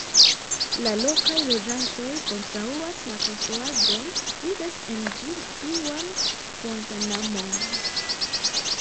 La lokaj loĝantoj kontraŭas la konstruadon, vidas en ĝi duan Guantanamo-n.